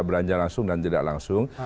belanja langsung dan tidak langsung